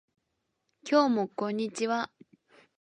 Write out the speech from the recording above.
今日もこんにちは